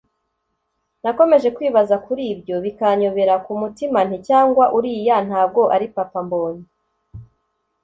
nakomeje kwibaza kuribyo bikanyobera, kumutima nti cyangwa uriya ntago ari papa mbonye!